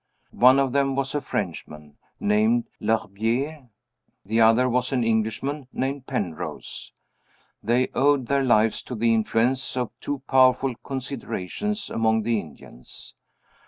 "One of them was a Frenchman, named L'Herbier. The other was an Englishman, named Penrose. They owed their lives to the influence of two powerful considerations among the Indians.